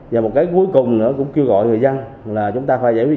và một cái cuối cùng nữa cũng kêu gọi người dân là chúng ta phải giải quyết